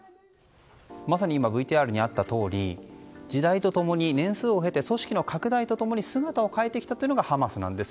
まさに今ＶＴＲにあったとおり時代と共に年数を経て組織の拡大と共に姿を変えてきたのがハマスなんです。